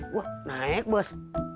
wah naik bos